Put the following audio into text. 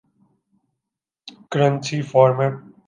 currency format